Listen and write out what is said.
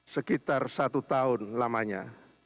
sekitar satu tahun lamanya